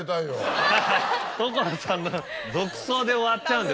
所さんの独走で終わっちゃうんで。